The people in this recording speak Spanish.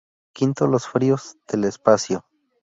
V Los fríos del espacio.